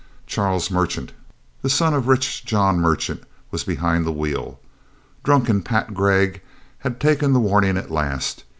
Charles Merchant, the son of rich John Merchant, was behind the wheel. Drunken Pat Gregg had taken the warning at last.